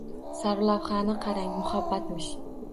Sarlavhani qarang, muhabbatmish